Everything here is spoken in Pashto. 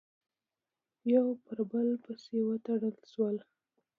یو پر بل پسې وتړل شول،